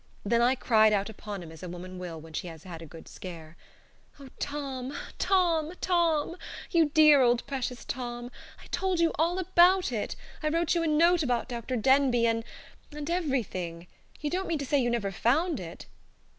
Then I cried out upon him as a woman will when she has had a good scare. "Oh, Tom! Tom! Tom! You dear old precious Tom! I told you all about it. I wrote you a note about Dr. Denbigh and and everything. You don't mean to say you never found it?"